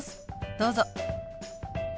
どうぞ。